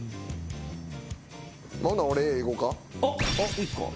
いいっすか？